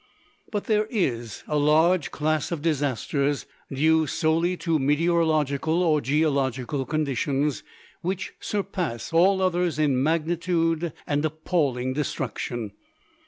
But there is a large class of disasters, due solely to meteorological or geological conditions, which surpass all others in magnitude and appalling destruction.